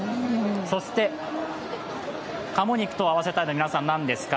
そして、鴨肉と合わせたいのは何ですか？